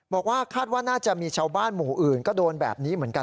บอกว่าคาดว่าน่าจะมีชาวบ้านหมู่อื่นก็โดนแบบนี้เหมือนกัน